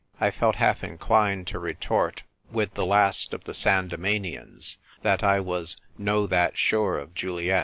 (I felt half inclined to retort with the last of the Sandcmanians, that I was "no that sure of Juliet.")